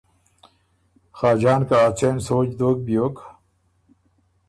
خاجان که ا څېن سوچ دوک بیوک